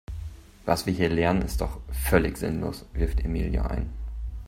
Was wir hier lernen ist doch völlig sinnlos, wirft Emilia ein.